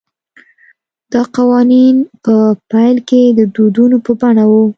دا قوانین په پیل کې د دودونو په بڼه وو